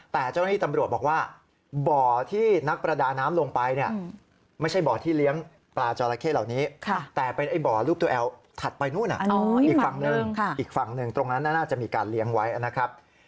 แต่เจ้าหน้าที่ตำรวจบอกว่าบ่อที่นักประดาน้ำลงไปเนี่ยไม่ใช่บ่อที่เลี้ยงปลาจอราเข้เหล่านี้แต่เป็นไอ้บ่อรูปตัวแอลถัดไปนู่นอีกฝั่งหนึ่งอีกฝั่งหนึ่งตรงนั้นน่าจะมีการเลี้ยงไว้นะครับ